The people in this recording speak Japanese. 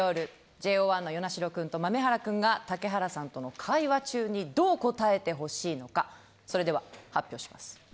ＪＯ１の與那城君と豆原君が竹原さんとの会話中にどう答えてほしいのかそれでは発表します。